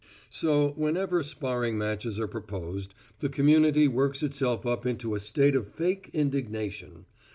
So whenever sparring matches are proposed the community works itself up into a state of fake indignation.